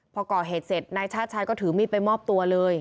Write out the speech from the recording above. พอก่อเหตุเสร็จนายชาติชายก็ถือมีดไปมอบตัวเลย